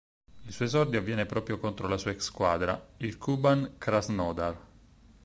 Il suo esordio avviene proprio contro la sua ex squadra: il Kuban' Krasnodar.